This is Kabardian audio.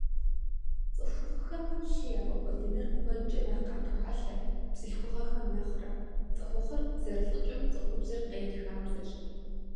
Цӏыхухъухэм лъы яфӏэкӏуэдыныр куэдкӏэ нэхъ къатохьэлъэ бзылъхугъэхэм нэхърэ — цӏыхухъур зэрылӏыкӏым цӏыхубзыр къел хабзэщ.